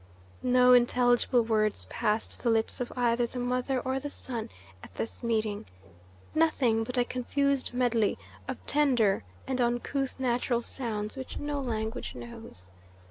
No intelligible words passed the lips of either the mother or the son at this meeting; nothing but a confused medley of tender and uncouth natural sounds, which no language knows.